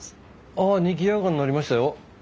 あにぎやかになりましたよ。